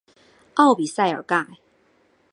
奥比萨尔盖。